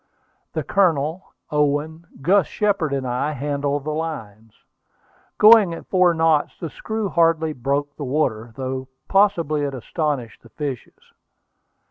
The Colonel, Owen, Gus Shepard, and I, handled the lines. Going at four knots, the screw hardly broke the water, though possibly it astonished the fishes.